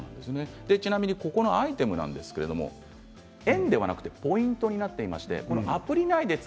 ちなみにアイテムなんですが円ではなくポイントになっています。